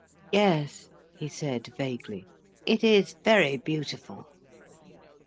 "Yes," he said vaguely. "It is very beautiful."